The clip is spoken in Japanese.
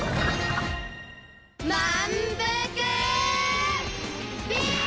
まんぷくビーム！